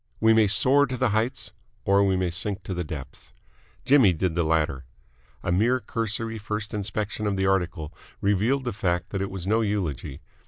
We may soar to the heights or we may sink to the depths. Jimmy did the latter. A mere cursory first inspection of the article revealed the fact that it was no eulogy.